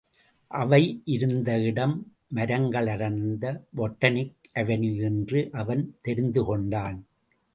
அவையிருந்த இடம் மரங்களடர்ந்த பொட்டனிக் அவினியூ என்று அவன் தெரிந்து கொண்டான்.